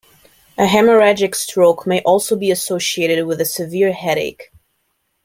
A hemorrhagic stroke may also be associated with a severe headache.